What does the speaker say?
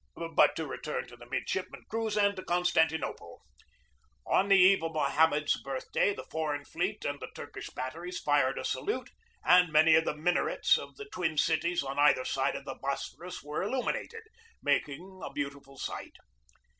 But to return to the midshipman cruise and to Constantinople. On the eve of Mohammed's birth day the foreign fleet and the Turkish batteries fired a salute, and many of the minarets of the twin cities on either side of the Bosphorus were illuminated, making a beautiful sight.